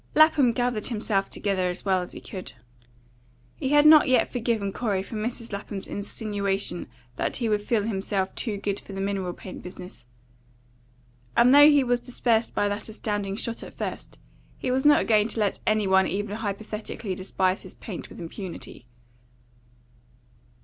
Lapham gathered himself together as well as he could. He had not yet forgiven Corey for Mrs. Lapham's insinuation that he would feel himself too good for the mineral paint business; and though he was dispersed by that astounding shot at first, he was not going to let any one even hypothetically despise his paint with impunity.